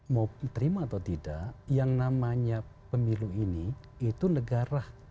mau terima atau tidak yang namanya pemilu ini itu negara